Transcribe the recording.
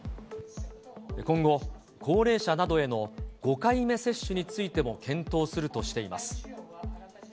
今後、高齢者などへの５回目接種についても検討するとしています。